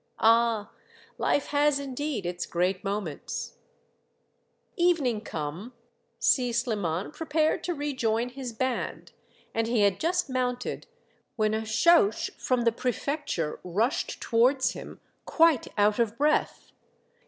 Ah ! life has indeed its great moments ! Evening come, Si Sliman prepared to rejoin his band, and he had just mounted when a chaouch from the prefecture rushed towards him, quite out of breath.